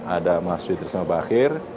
ada mas widris mbakir